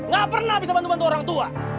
gak pernah bisa bantu bantu orang tua